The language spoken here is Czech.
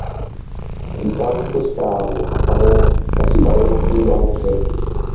Vítám tuto zprávu a panu Casparymu k ní blahopřeji.